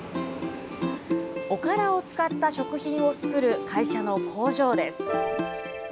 おからを使った食品を作る会社の工場です。